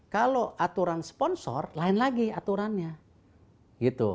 kalau aturan sponsor lain lagi aturannya gitu